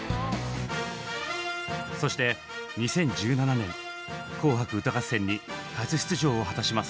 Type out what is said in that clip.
そして２０１７年「紅白歌合戦」に初出場を果たします。